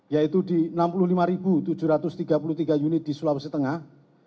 yaitu di enam puluh lima tujuh ratus tiga puluh tiga unit di sulawesi tengah